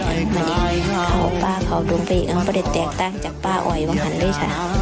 เอาลงไปอีกแล้วพอเด็ดแตกตั้งจากป้าออยวงหันด้วยค่ะ